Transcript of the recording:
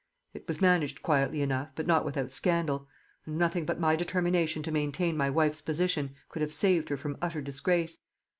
It was managed quietly enough, but not without scandal; and nothing but my determination to maintain my wife's position could have saved her from utter disgrace.